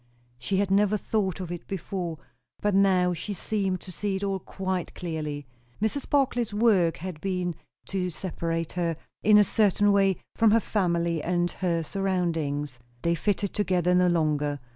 She had never thought of it before, but now she seemed to see it all quite clearly. Mrs. Barclay's work had been, to separate her, in a certain way, from her family and her surroundings. They fitted together no longer.